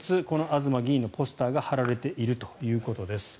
東議員のポスターが貼られているということです。